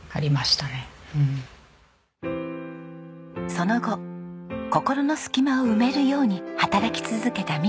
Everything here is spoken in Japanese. その後心の隙間を埋めるように働き続けた美香さん。